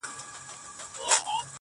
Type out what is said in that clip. په جمالیاتو کې د هنر او ارټ